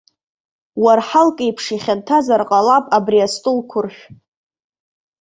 Уарҳалк еиԥш ихьанҭазар ҟалап абри астолқәыршә.